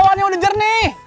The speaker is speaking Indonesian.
itu awan yang udah jernih